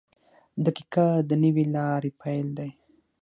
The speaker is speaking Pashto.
• دقیقه د نوې لارې پیل دی.